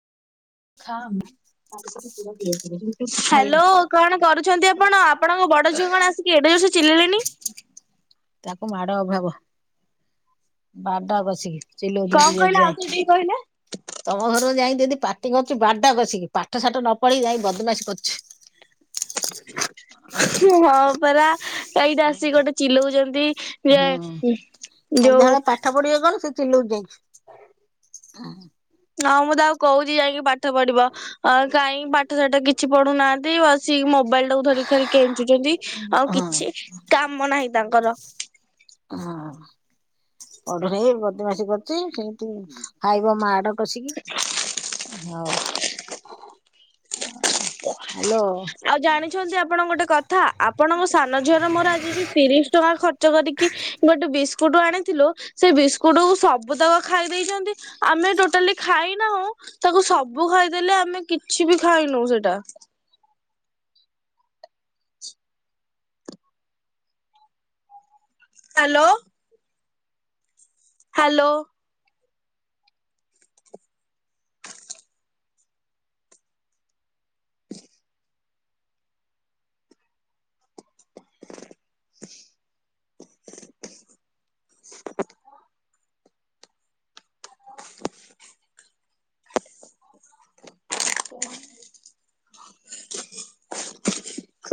ଥାମ୍ hello hello କଣ କରୁଚନ୍ତି ଆପଣ? ଆପଣଙ୍କ ବଡ ଝିଅ କଣ ଆସି ଏଡେ ଯୋରେ ଚିଲେଇଲେଣୀ ତାକୁ ମାଡ଼ ଅଭାବ ବାଡା କସିକି ଚିଲଉଚନ୍ତି କଣ କହିଲେ ଆଉ ଥରେ ଟିକେ କହିଲେ? [unintelligible] ତମ ଘର ଯାଇ ଯଦି ପା [unintelligible] ବାଡା କଷିକି ପାଠ ସାଠ ନ ପଢେଇି ଯାଇଁ ବଦମାସି କରୁଚି। ହଁ ପରା ଏଇଟା ଆସିକି ଗୋଟେ ଚିଲଉଚନ୍ତି ହୁଁ ଯେ ଯୋଉ ସନ୍ଧ୍ୟାବେଳେ ପାଠ ପଢିବେ କଣ ସେ ଚିଲଉଚି ଯା ହଁ ମୁଁ ତାକୁ କୋହୁଚି ଯାଇକି ପାଠ ପଢିବ କାହିଁକି ପାଠସାଠ କି କିଛି ପଢୁନାହାନ୍ତି ବସିକି ମୋବାଇଲ ଟାକୁ ଧରିରି କେଞ୍ଚୁଛନ୍ତି ଆଉ ହଁ। କିଛି କାମ ନାହିଁ ତାଙ୍କର। ହଁ ପଢୁନେଇ ବଦମାସ କରୁଚି ସେମିତି ଖାଇବ ମାଡ କସିକି ହଉ। ଇ [unintelligible] ଆଉ ଜାଣିଛନ୍ତି ଆପଣ ଗୋଟେ କଥା ଆପଣଙ୍କ ସାନ ଝିଅର ମୋର ଆଜି ଯୋଉ ତିରିଶ ଟଙ୍କା ଖର୍ଚ୍ଚ କରିକି ଗୋଟେ ବିସ୍କୁଟ ଆଣିଥିଲୁ ସେ ବିସ୍କୁଟକୁ ସବୁ ତକ ଖାଇ ଦେଇଚନ୍ତି। ଆମେ ଟୋଟାଲି ଖାଇନାହୁଁ। ତାକୁ ସବୁ ଖାଇଦେଲେ ଆମେ କିଛି ବି ଖାଇନୁ ସେଟା। ହାଲୋ। ହାଲୋ। [unintelligible] [unintelligible] [unintelligible] [unintelligible]